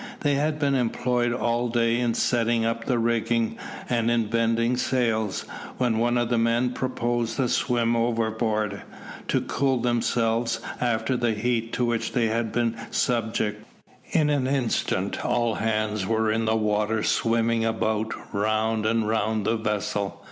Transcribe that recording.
They had been employed all day in setting up the rigging, and in bending sails, when one of the men proposed a swim overboard, to cool themselves after the heat to which they had been subject. In an instant all hands were in the water swimming about round and round the vessel.